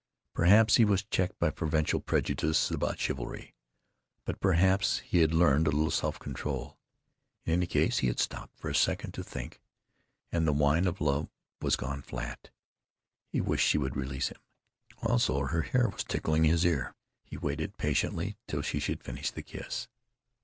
Perhaps he was checked by provincial prejudices about chivalry. But perhaps he had learned a little self control. In any case, he had stopped for a second to think, and the wine of love was gone flat. He wished she would release him. Also, her hair was tickling his ear. He waited, patiently, till she should finish the kiss.